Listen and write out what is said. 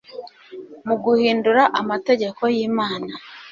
mu guhindura amategeko yImana